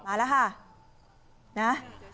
มาแล้วค่ะ